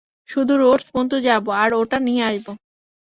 শুধু রোডস পর্যন্ত যাবো আর ওটা নিয়ে আসব।